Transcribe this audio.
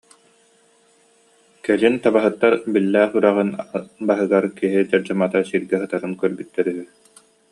Кэлин табаһыттар Биллээх үрэҕин баһыгар киһи дьардьамата сиргэ сытарын көрбүттэр үһү